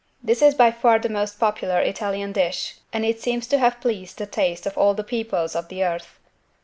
This is by far the most popular Italian dish, and it seems to have pleased the taste of all the peoples of the earth.